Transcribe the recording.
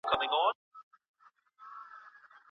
د موخي روښانتیا هیلې ژوندي کوي.